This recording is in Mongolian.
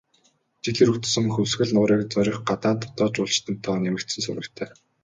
Жил ирэх тусам Хөвсгөл нуурыг зорих гадаад, дотоод жуулчдын тоо нэмэгдсэн сурагтай.